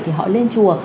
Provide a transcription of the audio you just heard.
thì họ lên chùa